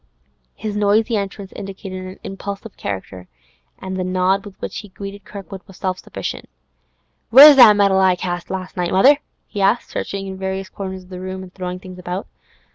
His noisy entrance indicated an impulsive character, and the nod with which he greeted Kirkwood was self sufficient. 'Where's that medal I cast last night, mother?' he asked, searching in various corners of the room and throwing things about.